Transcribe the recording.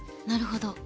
なるほど。